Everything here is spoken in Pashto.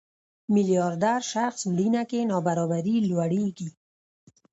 میلیاردر شخص مړینه کې نابرابري لوړېږي.